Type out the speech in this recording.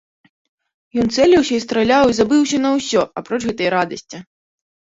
Ён цэліўся і страляў і забыўся на ўсё, апроч гэтай радасці.